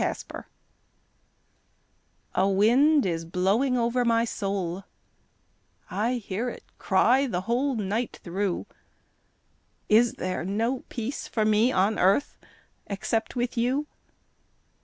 The Wind A wind is blowing over my soul, I hear it cry the whole night thro' Is there no peace for me on earth Except with you?